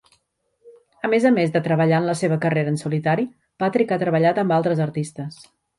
A més a més de treballar en la seva carrera en solitari, Patrick ha treballat amb altres artistes.